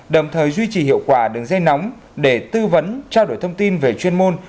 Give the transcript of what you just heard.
đồng thời duy trì hiệu quả đường dây nóng để tư vấn trao đổi thông tin về chuyên môn